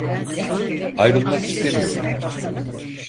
Ayrılmak istemiyorum.